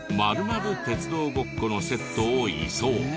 鉄道ごっこのセットを移送。